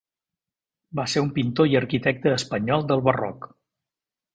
Va ser un pintor i arquitecte espanyol del barroc.